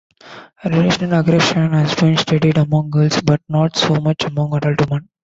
Relational aggression has been studied among girls but not so much among adult women.